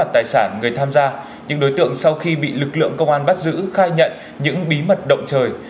tài sản người tham gia những đối tượng sau khi bị lực lượng công an bắt giữ khai nhận những bí mật động trời